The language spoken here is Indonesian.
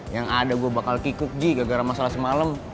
yang ada gue bakal kikuk ji gagara masalah semalam